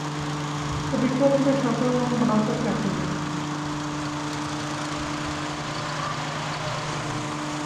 کبھی اکا دکا شیلٹر ہوم بنا کر کہتے ہیں۔